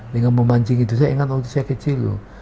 dengan memancing itu saya ingat waktu saya kecil loh